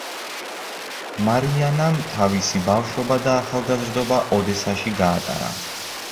მარიანამ თავისი ბავშვობა და ახალგაზრდობა ოდესაში გაატარა.